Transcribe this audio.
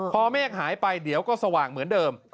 พอเมฆหายไปเดี๋ยวก็สว่างเหมือนเดิม